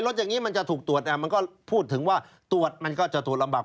รถอย่างนี้มันจะถูกตรวจมันก็พูดถึงว่าตรวจมันก็จะตรวจลำบาก